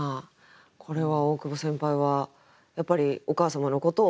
これは大久保先輩はやっぱりお母様のことを思いながら？